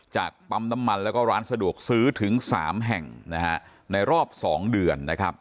ปั๊มน้ำมันแล้วก็ร้านสะดวกซื้อถึง๓แห่งในรอบ๒เดือนนะครับ